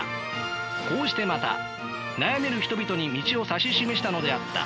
こうしてまた悩める人々に道を指し示したのであった。